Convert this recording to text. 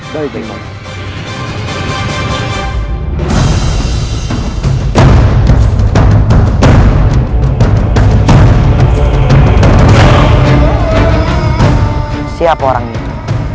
baik baik baik